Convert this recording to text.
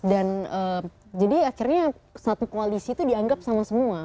dan jadi akhirnya satu koalisi itu dianggap sama semua